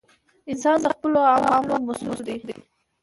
انسان د خپلو اعمالو مسؤول دی!